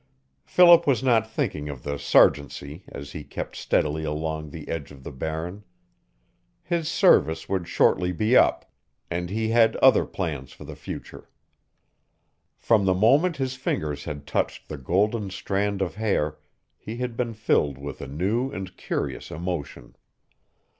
Philip was not thinking of the sergeantcy as he kept steadily along the edge of the Barren. His service would shortly be up, and he had other plans for the future. From the moment his fingers had touched the golden strand of hair he had been filled with a new and curious emotion.